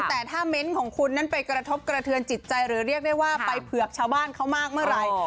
แต่ถ้าเม้นต์ของคุณนั้นไปกระทบกระเทือนจิตใจหรือเรียกได้ว่าไปเผือกชาวบ้านเขามากเมื่อไหร่